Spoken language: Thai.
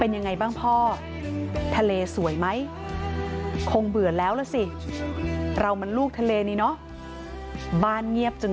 ยังไงบ้างพ่อทะเลสวยไหมคงเบื่อแล้วล่ะสิเรามันลูกทะเลนี่เนาะบ้านเงียบจน